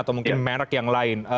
atau mungkin merek yang lain